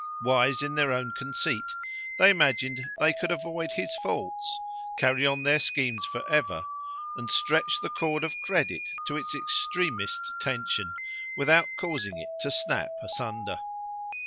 Wise in their own conceit, they imagined they could avoid his faults, carry on their schemes for ever, and stretch the cord of credit to its extremest tension, without causing it to snap asunder.